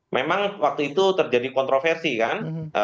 memang waktu itu terjadi kontroversi kan